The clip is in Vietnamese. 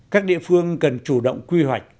các địa phương cần chủ động quy hoạch